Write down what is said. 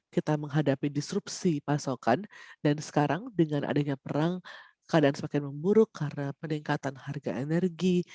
kita menghadapi disrupsi pasokan dan sekarang dengan adanya perang keadaan semakin memburuk karena peningkatan harga energi